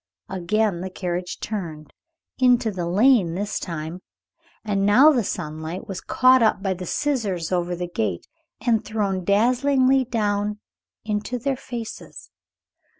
Again the carriage turned, into the lane this time, and now the sunlight was caught up by the scissors over the gate, and thrown dazzlingly down into their faces.